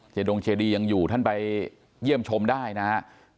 ดงเจดียังอยู่ท่านไปเยี่ยมชมได้นะครับ